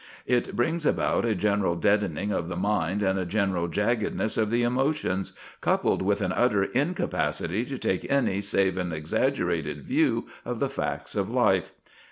It brings about a general deadening of the mind and a general jaggedness of the emotions, coupled with an utter incapacity to take any save an exaggerated view of the facts of life.